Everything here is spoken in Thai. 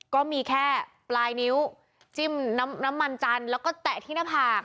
ก็มีแค่ปลายนิ้วจิ้มน้ำมันจันทร์แล้วก็แตะที่หน้าผาก